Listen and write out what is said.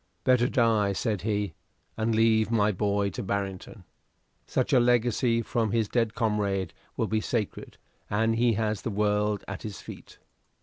"Better die," said he, "and leave my boy to Barrington. Such a legacy from his dead comrade will be sacred, and he has the world at his feet."